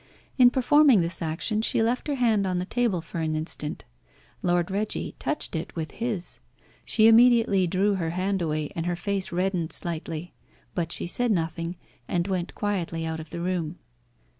In performing this action she left her hand on the table for an instant. Lord Reggie touched it with his. She immediately drew her hand away, and her face reddened slightly. But she said nothing, and went quietly out of the room.